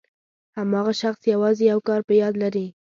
هماغه شخص یوازې یو کار په یاد لري.